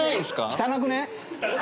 汚くね？